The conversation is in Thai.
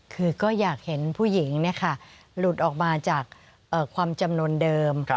คือก็อยากเห็นผู้หญิงหลุดออกมาจากความจำนวนเดิม